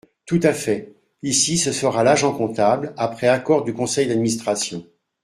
Tout à fait ! Ici, ce sera l’agent comptable, après accord du conseil d’administration.